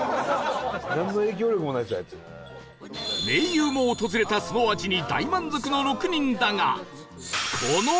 名優も訪れたその味に大満足の６人だが